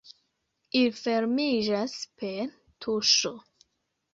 Ili fermiĝas per tuŝo.